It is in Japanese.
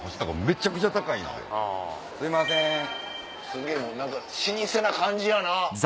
すげぇもう何か老舗な感じやな。